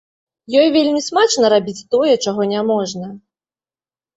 Ёй вельмі смачна рабіць тое, чаго няможна.